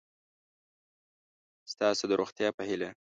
ستاسو د روغتیا په هیله